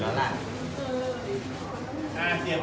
ก็คือเจ้าเม่าคืนนี้